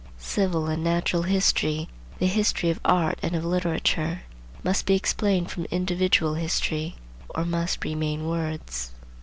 Civil and natural history, the history of art and of literature, must be explained from individual history, or must remain words.